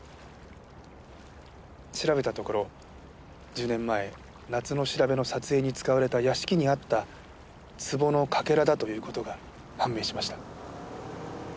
調べたところ１０年前『夏のしらべ』の撮影に使われた屋敷にあった壺のかけらだという事が判明しました。